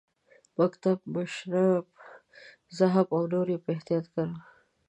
مکتب، مشرب، ذهب او نور یې په احتیاط کارولي.